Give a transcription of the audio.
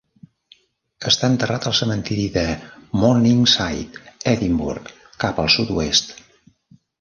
Està enterrat al cementiri de Morningside, Edimburg, cap al sud-oest.